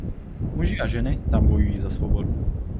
Muži a ženy tam bojují za svobodu.